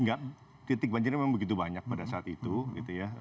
enggak titik banjirnya memang begitu banyak pada saat itu gitu ya